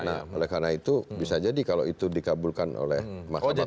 nah oleh karena itu bisa jadi kalau itu dikabulkan oleh mahkamah konstitusi